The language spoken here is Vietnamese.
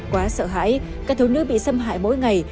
quá sợ hãi các thú nữ bị xâm hại mỗi ngày